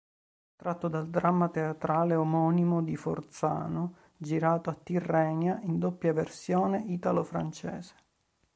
Tratto dal dramma teatrale omonimo di Forzano, girato a Tirrenia, in doppia versione italo-francese.